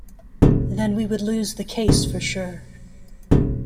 Then we would lose the case for sure.